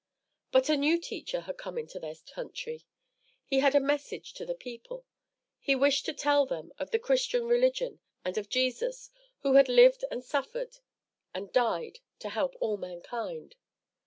But a new teacher had come into their country. He had a message to the people. He wished to tell them of the Christian religion and of Jesus, who had lived and suffered and died to help all mankind.